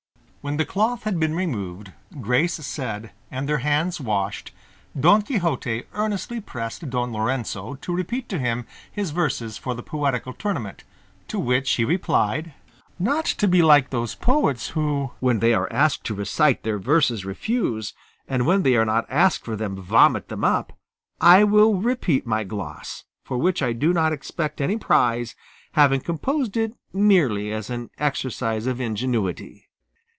When the cloth had been removed, grace said and their hands washed, Don Quixote earnestly pressed Don Lorenzo to repeat to him his verses for the poetical tournament, to which he replied, "Not to be like those poets who, when they are asked to recite their verses, refuse, and when they are not asked for them vomit them up, I will repeat my gloss, for which I do not expect any prize, having composed it merely as an exercise of ingenuity."